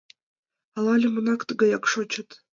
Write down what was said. Ала лӱмынак тыгаяк шочыт?